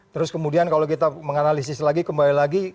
terus kemudian kalau kita menganalisis lagi kembali lagi